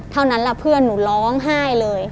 เท่านั้นแหละเพื่อนหนูร้องไห้เลย